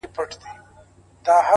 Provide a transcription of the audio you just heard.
ریښتینی ملګری حقیقت نه پټوي؛